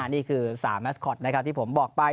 นี่คือ๓แมสคอตนะครับที่ผมบอกไป